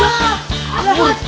ini kita lihat